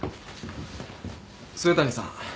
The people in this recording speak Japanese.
末谷さん。